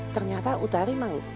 ternyata utari mau